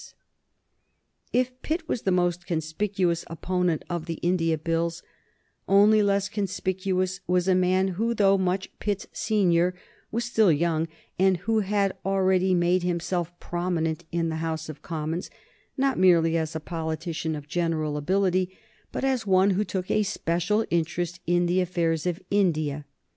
[Sidenote: 1783 Henry Dundas and James Sayer] If Pitt was the most conspicuous opponent of the India Bills, only less conspicuous was a man who, though much Pitt's senior, was still young, and who had already made himself prominent in the House of Commons, not merely as a politician of general ability, but as one who took a special interest in the affairs of India.